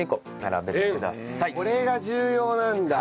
これが重要なんだ！